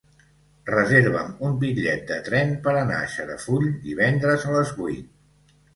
Reserva'm un bitllet de tren per anar a Xarafull divendres a les vuit.